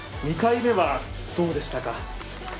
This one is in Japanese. ２回目はどうでしたか？